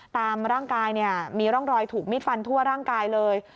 ตามร่างกายมีร่องรอยถูกมิดฟันทั่วร่างกายเลย